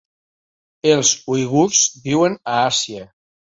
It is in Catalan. Els uigurs viuen a Àsia.